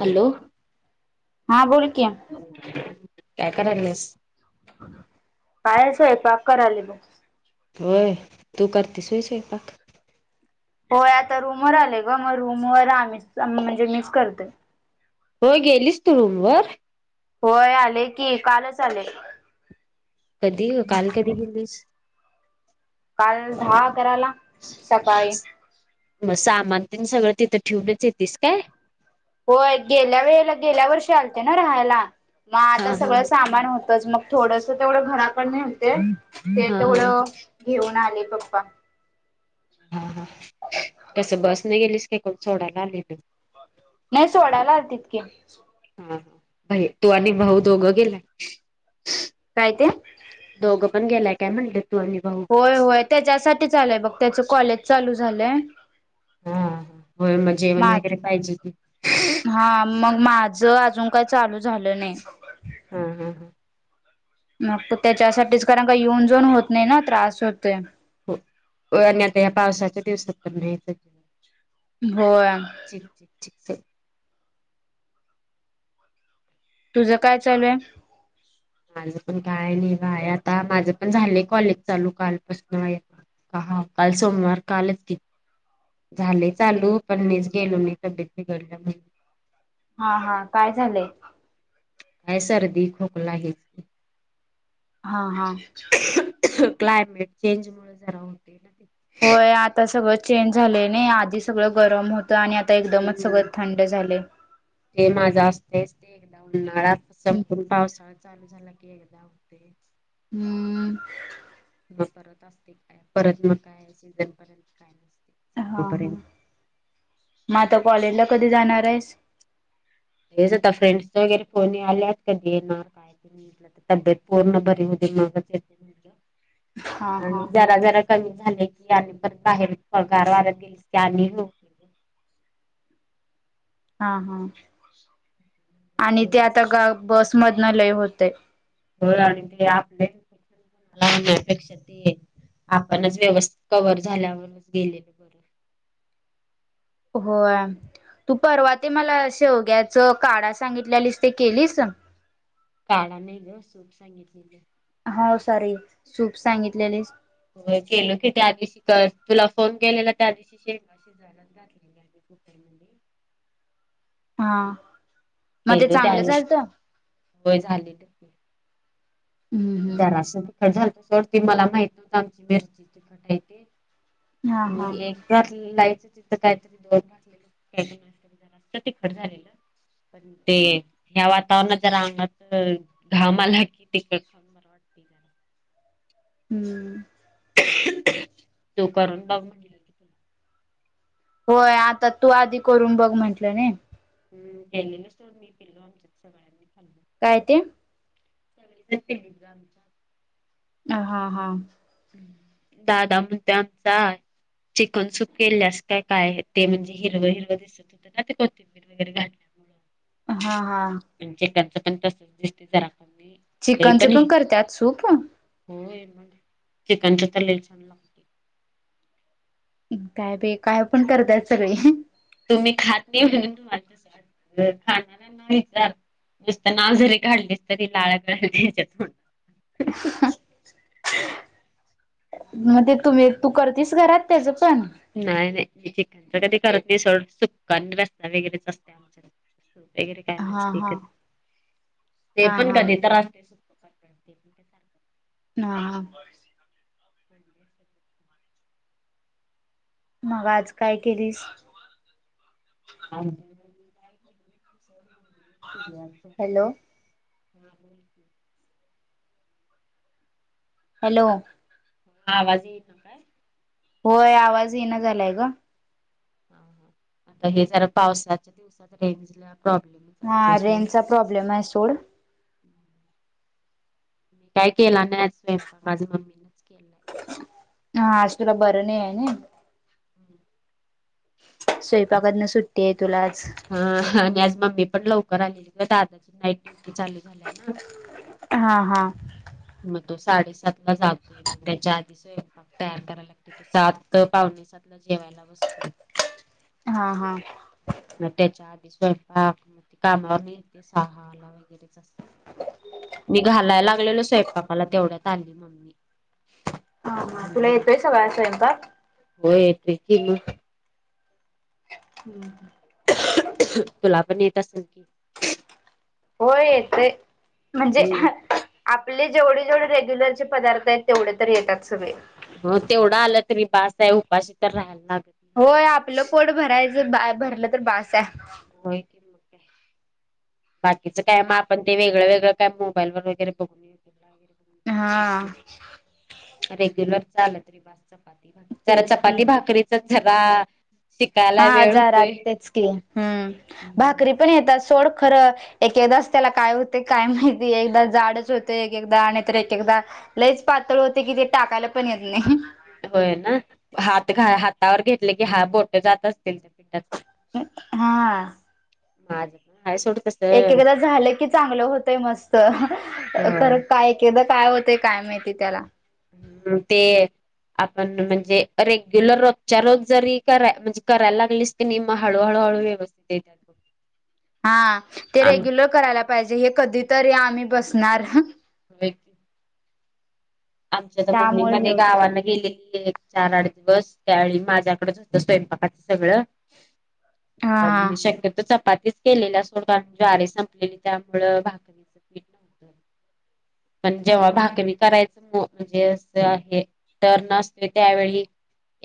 Hello हा बोल कि काय कारायल्यास? काय स्वयपाक करालोय बघ. होय तू करतेस व्हय स्वयपाक? होय आता रूमवर आलेय ग मग रूमवर आम्हीच आम्ही सगळीजनीच करतोय. हो गेलीस तू रूमवर? होय आलोय की कालच आलोय. कधी काल कधी गेलीस? काल दहा आकराला सकाळी. तुझं सामान तेन सगळं तिथं ठेवूनच येतीस काय? होय गेल्या वेळेला गेल्या वर्षी आलते ना राहायला मग आता हा हा सगळं सामान होत च मग थोडस तेवढं घराकड न्हेलते ते हा हा तेवढं घेऊन आले पप्पा हा हा कसं बसन गेलीस काय कोण सोडायला आलेते नाही सोडायला आलतीत की मग भाई तू आणि भाऊ दोघं गेलाय काय ते दोघं पण गेलाय काय म्हटलं होय होय त्याच्यासाठी चाललंय बघ त्याच कॉलेज चालू झालंय. हा हो मग जेवण मात वगैरे पाहिजे त हा मग माझ अजून काही चालू झालं नाही. हम्म हम्म हम् मग त्याच्यासाठीच कारण का येऊन जाऊन होत नाही ना त्रास होत. हो अन्यथ या पावसाच्या दिवसात पण नाहीच. होय ठीक ठीक तुझं काय चालूय? माझं पण काय नाही बाय आता माझं पण झालंय कॉलेज चालू कालपासन. हा काल सोमवार कालच त झाले चालू पण मच गेलो मी तब्येत बिघडल्या म्ह हा हा काय झालंय? काय सर्दी खोकला हेच. हा हा क्लायमेट चेंज मुळे जरा होते होय आता सगळं चेंज झाले नाही आधी सगळं गरम होत आणि आता एकदमच हम्म सगळं थंड झाले. उन्हाळा संपून पावसाळा चालू झाला की एकदा होते. हम त अस परत मग काय सीजन पर्यंत काय. हा हा संपूपर्यंत मग आता कॉलेजला कधी जाणार आहेस. तेच आता फ्रेंड्स वगैरे फोन आल्यात कधी येणार काय. तब्येत पूर्ण बरी हो मग हा हा आणि जरा जरा कमी झाले की आणि पण बाहेर पगार वाढत गेलेस की आणि [inaudible] हा हा आणि ते आता ग बसमधन लय होते. हो आणि ते आपले? लहान होण्यापेक्षा आपणच व्यवस्थित कव्ह झाल्यावरच गेलेल बर [inaudible] होय तू परवा ते मला शेवग्याच काढा सांगितलेलीस ते केलीस. काढा नाही ग सूप सांगितलेलं. हो सॉरी सूप सांगितलेलीस हो गेलो की त्या आधी [unintelligible] तुला फोन केलेला त्या दिवशी शेजण घातले कुठ म्हण. हा मग ते केलो त्या चांगलं दिवशी झालत? होय हम्म जरा हम्म असं तिखट झालंत सोडती मला माहिती होतं आमची मिरची तिखट ते हा म हा एक घातलं लाईट तिथ काही तरी तिखट झालेलं. पण ते ह्या वातावरणात जर अंगातलं तर घाम आला कि ते [unintelligible] [inaudible] हम्म तू करून बघ होय आता तू आधी करून बघ म्हंटलंणे. हम् केलेलंच तरो मी केेलो आमच्या सगळ्यांनी खाल काय ते [inaudible] अ हा हा दादा म्हणते आमचा चिकन सूप केल्यास काय काय आहे ते म्हणजे हिरवं हिरवं दिसत होते ना ते कोथिंबीर वगैरे घ [unintelligible] हा हा पण तसच दिसते जरा. कमी चिकनचं पण करतात सूप? हो म चिकनच तर लय छान लागत काय बे काय पण करतय सगळे. तुम्ही खात नाही म्हणून तुम्हाला त वा खाणाऱ्यांना विचार नुसतं नाव जरी काढलीस तरी लाला [unintelligible] [inaudible] मग ते तुम्ही तू करतेस घरात त्याच. पण नाहीय नाही चिकनच कधी करत सूप [unintelligible] वगैरेच असते आमच्या वगैरे काही हा नसते हा ते हा पण हा कधी तर असते ते पण का सारखं. हा ह कोंडे असतात बघ. मग आज काय केलीस? [inaudible] सोड हॅलो [inaudible] हॅलो ह आवाजी येत ना काय? होय आवाज येणं झालाय ग. ह हा आता हे जरा पावसाच्या दिवसात रेंजला प्रॉब्लेमच हा असतोय सोड. रेंजचा प्रॉब्लेम आहे सोड. मी काय केला नाही स्वयंपाक माझ्या मम्मीनेच केलंय. हा आज तुला बरं आहे ना. स्वयंपाकात न सुट्टी आहे तुला आज. हा आणि आज मम्मी पण लवकर आलेली क दादाची नाईट ड्युटी चालू झाल्या ना. हा हा तो साडेसात ला जातोय. मग त्याच्या आधी स्वयंपाक तयार करायला लागते तो सात पावणेसातला जेवायला बसतोय. हा हा मग त्याच्या आधी स्वयंपाक कामावर येते सहाला वगैरे जा अस. मी घालायला लागलेलो स्वयंपाकाला तेवढ्यात आली मम्मी. हा हा तुला म्हणली मग येतोय सगळ स्वयंपाक? हे की मग? हम् तसल की. हो येत म्हणजे हम्म आपले जेवढे जेवढे रेग्युलरचे पदार्थ आहेत तेवढे तर येतात सगळे. मग तेवढं आलं तरी बास आहे उपाशी तर राहाला ना. होय आपलं पोट भरायचं बा भरलं तर बास आहे. होय की काय बाकीचं कायम आपण ते वेगळं वेगळं कायम मोबाईल वर वगैरे बघून. बघून करू हा शकतो रेग्युलर चालत र बस चपीती जरा तेच की चपाती भाकरीच जरा. हा शिकायला वेळ हजार आ होतोय तेचकी ह भाकरी पण येतात सोड खरं एकेदच त्याला काय होते काय माहिती एकदा जाडच होत एक एकदा आणि तर एक एकदा लईच पातळ होते कि ते टाकायला पण येत नाही. होय ना हात घा हातावर घेतले की हा बोट जात असतील त्यांच्या पिंडात हा माझ एक एकदा झालं की चांगलं होतय मस्त होय तर काय एक एकदा काय होते काय माहिती त्याला हम्म ते आपण म्हणजे रेग्युलर रोजच्या रोज जरी क करायला लागलीस त नि हळूहळू हळू व्यवस्थित हा ते आम्ही रेग्युलर करायला पाहिजे हे कधी तरी आम्ही बसणार. हो आमच्या तर मम्मी त्यामुळे हे तर होते गावाला गेले एक चार आठ दिवस त्यावेळी माझ्याकडेच होतं स्वयंपाकाच हा सगळं शक्यतो चपाती केलेल्या सोडग ज्वारी संपलेली त्यामुळे भाकरीच पीठ नव्हतं. पण जेव्हा हा भाकरी करायच म्हणजे अस हे टर्न असते त्यावेळी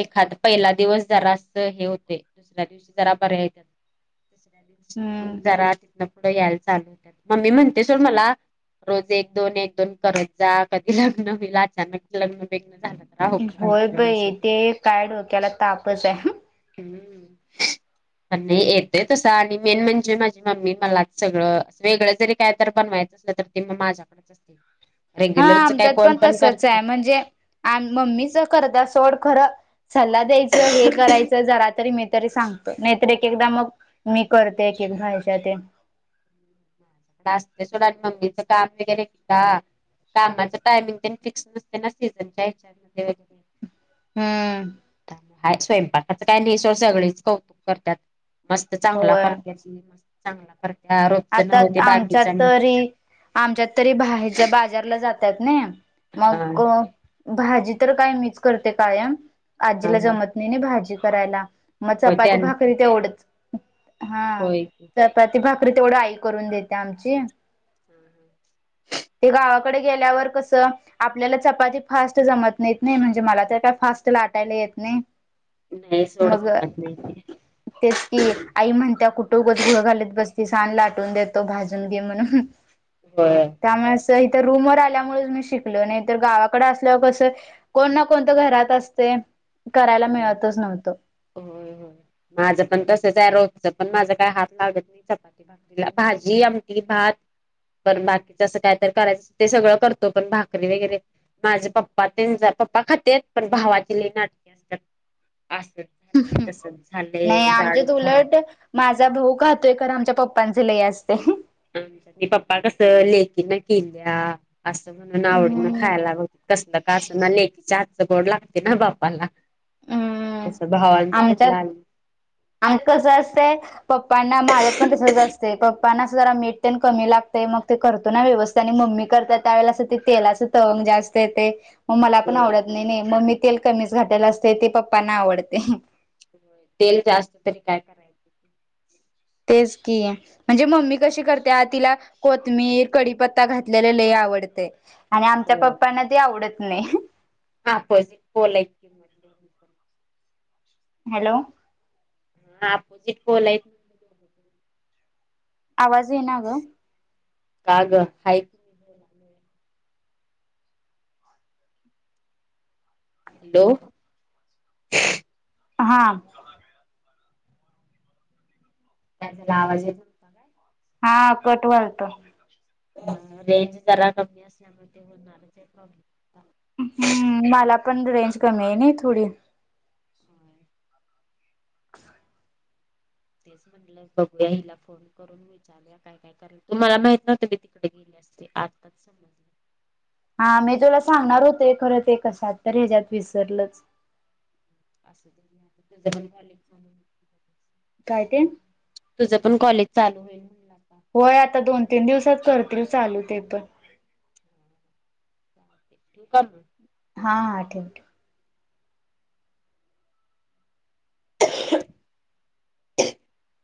एखाद पहिला दिवस जरा अस हे होते दुसऱ्या दिवशी जरा बर्या य [inaudible] दसऱ्या हम्म दिवशी घरात [inaudible] तो यायलाता मम्मी म्हणते सोड मला रोज एक दोन एक दोन करत जा कधी लग्न होईल अचानक लग्न बिग्न झालं. तर अवघड होय व्हायचं बाई असं ते एक काय डोक्याला तापच आहे. ह पण नाही येतय तसं आणि मेन म्हणजे माझी मम्मी मला सगळं वेगळं जरी काय तर बनवायच तर ते मग माझ्याकडेच अस हा आमच्यात पण तसच आहे म्हणजे आम मम्मीच करत सोड खरं सल्ला द्यायचं हे करायचं जरा तरी म तरी सांगतो नाहीतर एक एकदा मग मी करते एक एकदा ह्याच्यात ड आणि मम्मीचं काम वगैरे का, कामाच टायमिंग त्यांनी फिक्स नसते ना सीझनच्या हच्यामध्ये वगैरे हम्म ह स्वयंपाकाच काय नाही स सगळेच कौतुक करतात मस्त चांगला होय करते त मस्त चांगला रोजच- [inaudible] आमच्या बाकीच आणि तरी आमच्यात तरी बाहेच्या बाजारला जातात ना हा हा मग भाजी तर काय मीच करते कायम आजीला हा जमत नाही नाही भाजी करायला मग होय चपाती त्यांचं भाकरी तेवढंच हा होय की तर चपाती भाकरी तेवढी आई करून देते आमची हम्म हम्म ते गावाकडे गेल्यावर कस आपल्याला चपाती फास्ट जमत नाहीेत नाही म्हणजे मला तर काय फास्ट फास्ट लाटायला येत नाही नाही सोड मग जमत नाही ते ते कि आई म्हणत्या कुठं उगच घोळ घालत बसती आन लाटून देतो भाजून घे म्हणून होय त्यामुळेच इथं रूम वर आल्यामुळे मी शिकलो नाही तर गावाकडे असल्यावर कस कोण ना कोणतं घरात असतय. [unintelligible] माझं पण तसच आहे रो तिथं माझा काय हात लागत नाही चपाती, भाकरीला, भाजी आमटी भात. पण बाकीच असं काय तर करायचं ते सगळं करतो पण भाकरी वगैरे माझे पप्पा तेन ज पप्पा खातेेत पण भावाची लय नाटकी असत्यात. असंच झालंय [unintelligible] तसच नाही झालंय आमच्या जाडच झालंय उलट माझा भाऊ खाहतोय खर आमच्या पप्पा पप्पांचा लय असतय. आमचे ते पप्पा कसं लेकीन केल्या. असं म्हणून आवडीन हम्म खायला लागत, कसलं का असं ना लेकीच्या आातचं बोड लागते ना बापाला. हम्म तसं भावांचं आमच्यात, कुठलं आलं आणि कस असतय पप्पांना माझ्यातपण तसच असतय पप पप्पांना अस जरा मीठ ते कमी लागतय मग ते करतो ना व्यवस्थित आणि म्मी करत्या त्यावेेळेला अस तेलाच तवंग जास्त येतय. मग मला पण आवडत नाही नई म मी तेल कमीच घातल्याल असते ते पप्पाना आवडतय. तेल जास्त तरी काय तेच की म्हणजे मम्मी कशी करत्या तिला कोथमीर, कडीपत्ता घातलेल लई आवडय आणि आमच्या होय पप्पांना ते आवडत नाही. [unintelligible] हॅलो. हा [unintelligible] आवाज ईनाग. काग हाय. हॅलो. हा. काय तुला आवाज येत हा कट व्हालत. रेंज जरा कमी असल्यामुळ [unintelligible] हम्म मला पण रेंज कमीय नई थोडी. [inaudible] तेच म्हणलंय बघूया हिला फोन करून विचारुया काय काय कराले तुम्हाला माहित नव्हतं मी तिकडे गेल्या. [unintelligible] आ मी तुला सांगणार होते खर ते कशात तर ह्याच्यात विसरलच. [unintelligible] काय ते? तुझं पण कॉलेज चालू होईल. आता होय आता दोन, तीन दिवसात करतील चालू ते पण. [unintelligible] हा, हा ठेव, ठेव. [unintelligible]